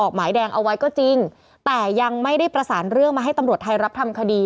หมายแดงเอาไว้ก็จริงแต่ยังไม่ได้ประสานเรื่องมาให้ตำรวจไทยรับทำคดี